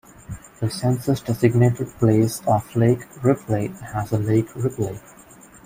The census-designated place of Lake Ripley has a Lake Ripley.